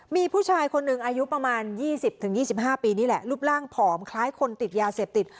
มีผู้ชายคนหนึ่งอายุประมาณ๒๐๒๕ปีนี่แหละรูปร่างผอมคล้ายคนติดยาเสพติด